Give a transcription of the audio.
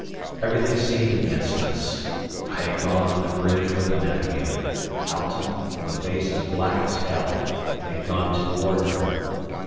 Everything seemed against us. I had gone on the bridge with the navigator; Alten, with a face as black as hell, had gone to the wardroom.